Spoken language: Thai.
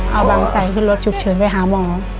เอาบางใส่ขึ้นรถฉุกเฉินไปหาหมอ